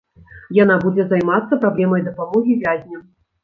Яна будзе займацца праблемай дапамогі вязням.